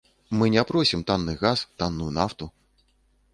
Мы не просім танны газ, танную нафту.